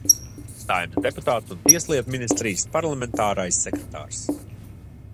Saeimas deputāts un Tieslietu ministrijas parlamentārais sekretārs.